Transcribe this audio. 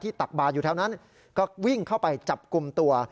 ตักบาดอยู่แถวนั้นก็วิ่งเข้าไปจับกลุ่มตัว